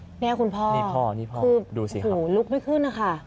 นี่แล้วคุณพ่อดูสิครับฮู้ลุกไม่ขึ้นนะคะ